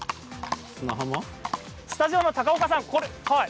スタジオの高岡さん